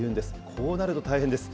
こうなると大変です。